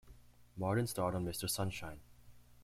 Martin starred on "Mr. Sunshine".